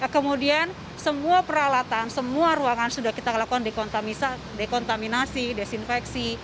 kemudian semua peralatan semua ruangan sudah kita lakukan dekontaminasi desinfeksi